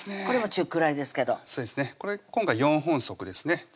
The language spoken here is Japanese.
これは中くらいですけど今回４本束ですね